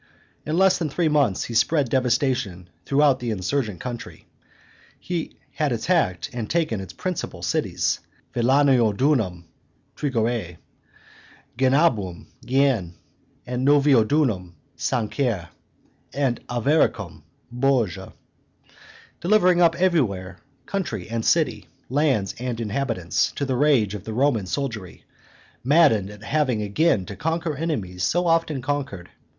In less than three months he had spread devastation throughout the insurgent country; he had attacked and taken its principal cities, Vellaunodunum (Trigueres), Genabum (Gien), Noviodunum (Sancerre), and Avaricum (Bourges), delivering up everywhere country and city, lands and inhabitants, to the rage of the Roman soldiery, maddened at having again to conquer enemies so often conquered.